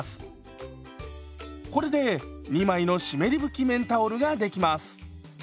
これで２枚の湿り拭き綿タオルができます。